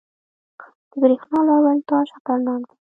• د برېښنا لوړ ولټاژ خطرناک دی.